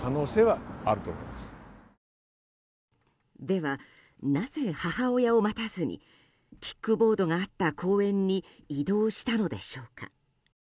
ではなぜ、母親を待たずにキックボードがあった公園に移動したのでしょうか。